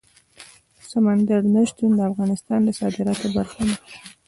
سمندر نه شتون د افغانستان د صادراتو برخه ده.